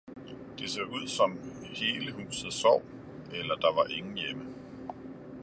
det så ud som hele huset sov eller der var ingen hjemme.